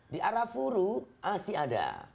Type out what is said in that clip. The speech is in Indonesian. di arafuru masih ada